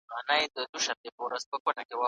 د رسا صاحب سبک خورا ځانګړی دی.